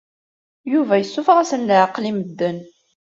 Yuba yessuffeɣ-asen leɛqel i medden.